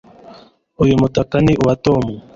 Uyu mutaka ni uwa Tom